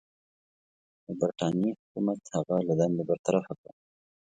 د برټانیې حکومت هغه له دندې برطرفه کړ.